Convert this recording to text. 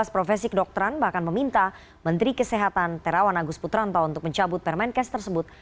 lima belas profesi kedokteran bahkan meminta menteri kesehatan terawan agus putranta untuk mencabut permain case tersebut